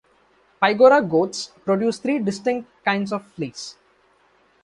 Pygora goats produce three distinct kinds of fleece.